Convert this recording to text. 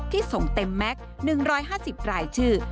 ส่งเต็มแม็กซ์๑๕๐รายชื่อ